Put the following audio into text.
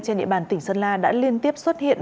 trên địa bàn tỉnh sơn la đã liên tiếp xuất hiện